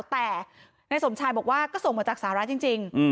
แต่นายสมชายบอกว่าก็ส่งมาจากสหรัฐจริง